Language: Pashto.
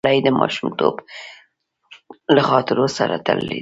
خولۍ د ماشومتوب له خاطرو سره تړلې ده.